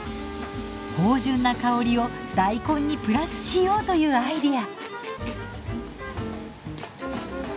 芳じゅんな香りを大根にプラスしようというアイデア。